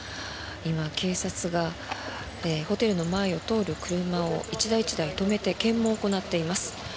今、警察がホテルの前を通る車を１台１台止めて検問を行っています。